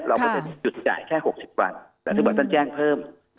เราก็จะหยุดจ่ายแค่๖๐วันแต่ท่านบอกท่านแจ้งเพิ่ม